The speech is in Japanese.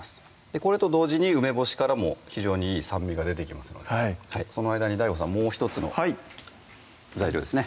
これと同時に梅干しからも非常にいい酸味が出てきますのでその間にＤＡＩＧＯさんもう１つの材料ですね